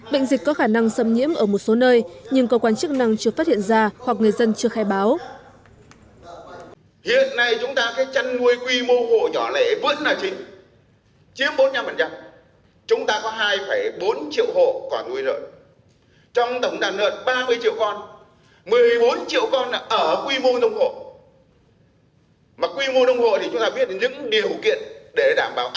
bệnh dịch có khả năng xâm nhiễm ở một số nơi nhưng cơ quan chức năng chưa phát hiện ra hoặc người dân chưa khai báo